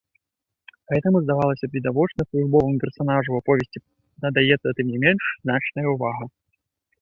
Гэтаму, здавалася б, відочна службоваму персанажу ў аповесці надаецца тым не менш значная ўвага.